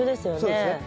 そうですね。